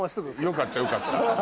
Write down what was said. よかったよかった。